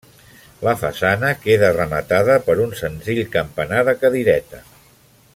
La façana queda rematada per un senzill campanar de cadireta.